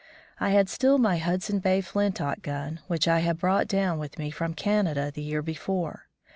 I had still my Hudson Bay flintlock gun, which I had brought down with me from Canada the year before.